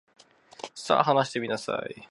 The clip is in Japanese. さ、話してみなさい。